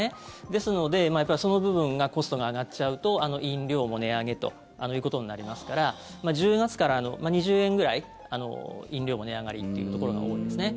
ですので、その部分がコストが上がっちゃうと飲料も値上げということになりますから１０月から２０円ぐらい飲料も値上がりというところが多いですね。